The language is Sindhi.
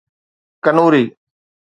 ڪنوري